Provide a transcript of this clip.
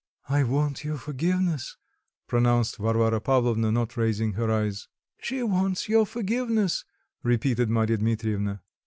"I want your forgiveness," pronounced Varvara Pavlovna, not raising her eyes. "She wants your forgiveness," repeated Marya Dmitrievna.